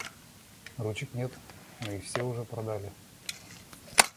Ручек нет, мы их все уже продали.